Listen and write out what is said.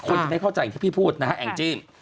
คนจะได้เข้าใจอย่างที่พี่พูดนะฮะแองจี้